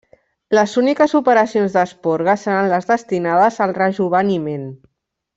Les úniques operacions d'esporga seran les destinades al rejoveniment.